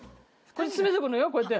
詰めていくのよこうやって。